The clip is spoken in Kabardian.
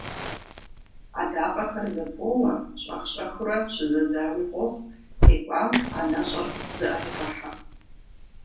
Адакъэхэр зэпоуэ, щӀэх-щӀэхыурэ щызэзауи къохъу, текӀуам анэщӀэр зыӀэрегъэхьэ.